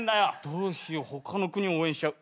どうしよう他の国応援しちゃう。